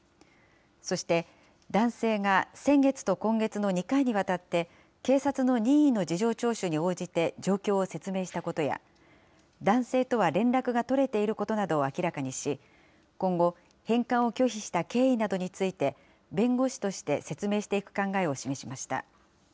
そして、男性が先月と今月の２回にわたって、警察の任意の事情聴取に応じて状況を説明したことや、男性とは連絡が取れていることなどを明らかにし、今後、返還を拒否した経緯などについて、弁護士として説明していく考えを示しました。